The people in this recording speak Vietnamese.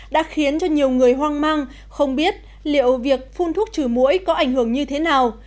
đã khiến cho nhiều người hoang mang không biết liệu việc phun thuốc trừ mũi có ảnh hưởng như thế nào